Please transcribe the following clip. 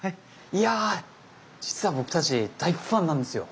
いやぁ実は僕たち大ファンなんですよ。